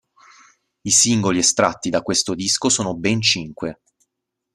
I singoli estratti da questo disco sono ben cinque.